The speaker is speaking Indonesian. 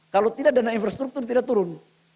kalau tidak dana infrastruktur tidak turun